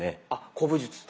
古武術と？